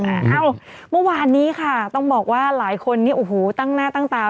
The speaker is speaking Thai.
เอ้าเมื่อวานนี้ค่ะต้องบอกว่าหลายคนนี่โอ้โหตั้งหน้าตั้งตา